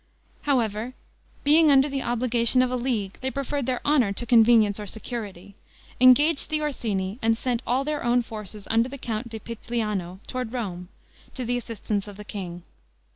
However, being under the obligation of a League, they preferred their honor to convenience or security, engaged the Orsini, and sent all their own forces under the Count di Pitigliano toward Rome, to the assistance of the king.